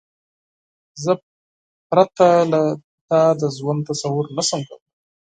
زه پرته له تا د ژوند تصور نشم کولای.